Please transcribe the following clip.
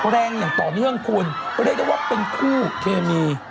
แรงอย่างต่อเนื่องคุณไปเรียกเป็นคู่เคมี